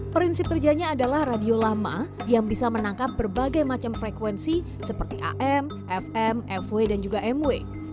prinsip kerjanya adalah radio lama yang bisa menangkap berbagai macam frekuensi seperti am fm fw dan juga mw